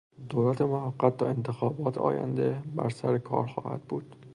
دولت موقت تا انتخابات آینده بر سرکار خواهد بود.